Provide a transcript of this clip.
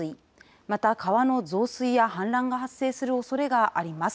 また、川の増水や氾濫が発生するおそれがあります。